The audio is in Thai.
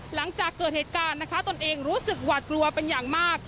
หลังจากเกิดเหตุการณ์นะคะตนเองรู้สึกหวาดกลัวเป็นอย่างมาก